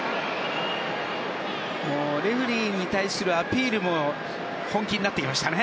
レフェリーに対するアピールも本気になってきましたね